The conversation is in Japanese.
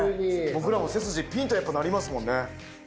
僕らも背筋ピンとやっぱなりますもんね。